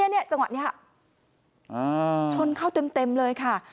จังหวะนี้ชนเข้าเต็มเลยค่ะ